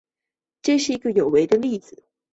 这是有违的一个例子。